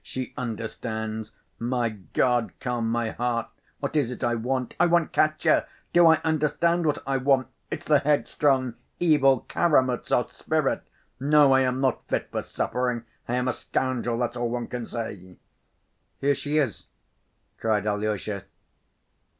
She understands. My God, calm my heart: what is it I want? I want Katya! Do I understand what I want? It's the headstrong, evil Karamazov spirit! No, I am not fit for suffering. I am a scoundrel, that's all one can say." "Here she is!" cried Alyosha.